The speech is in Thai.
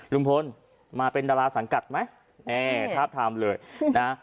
ลุงพลมาเป็นดาราสังกัดไหมแม่ทาบทามเลยนะ